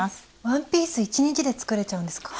ワンピース１日で作れちゃうんですか？